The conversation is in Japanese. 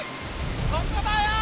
ここだよー！